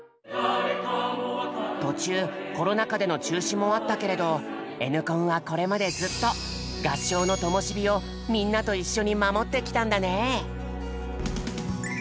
途中コロナ禍での中止もあったけれど「Ｎコン」はこれまでずっと合唱のともし火をみんなと一緒に守ってきたんだね。